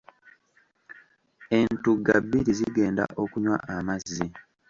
Entugga bbiri zigenda okunywa amazzi.